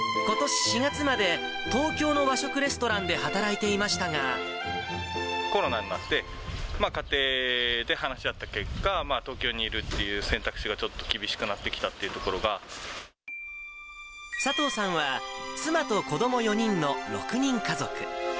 ことし４月まで、東京の和食レスコロナになって、家庭で話し合った結果、東京にいるっていう選択肢がちょっと厳しくなってきたっていうと佐藤さんは、妻と子ども４人の６人家族。